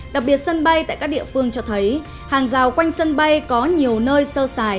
đặc biệt sân bay tại các địa phương cho thấy hàng rào quanh sân bay có nhiều nơi sơ xài